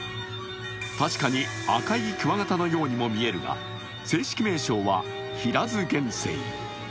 確かに赤いクワガタのようにも見えるが、正式名称はヒラズゲンセイ。